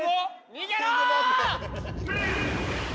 逃げろ！